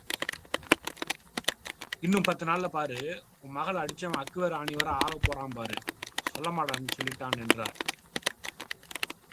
இன்னும் பத்து நாள்ல பாரு, ஒன் மகள அடிச்சவன் அக்குவேறு... ஆணிவேறா ஆகப்போறான் பாரு... சொள்ளமாடன் சொல்லிட்டான் என்றார்.